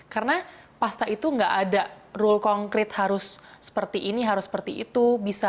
karena pasta itu nggak ada rule konkret harus seperti ini harus seperti itu